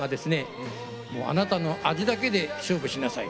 「あなたの味だけで勝負しなさい。